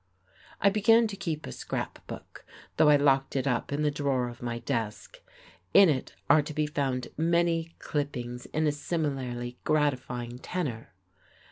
I began to keep a scrap book, though I locked it up in the drawer of my desk. In it are to be found many clippings of a similarly gratifying tenor....